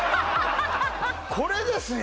これですよ